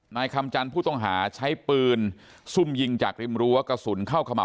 นายคำจันทร์ผู้ต้องหาใช้ปืนซุ่มยิงจากริมรั้วกระสุนเข้าขมับ